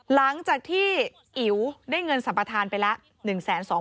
หลังจากที่อิ๋วได้เงินสัมปทานไปแล้ว